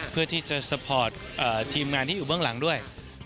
เพื่อที่จะซัพพอร์ตทีมงานที่อยู่เบื้องหลังด้วย